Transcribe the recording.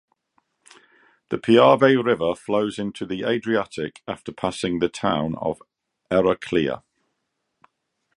The Piave River flows into the Adriatic after passing the town of Eraclea.